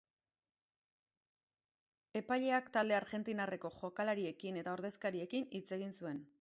Epaileak talde argentinarreko jokalariekin eta ordezkariekin hitz egin zuen.